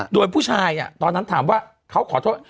โดยผู้ชายตอนนั้นถามว่าเขาขอโทษ